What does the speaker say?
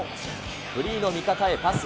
フリーの味方へパス。